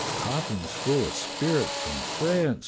"Coffins full of spirit from France?"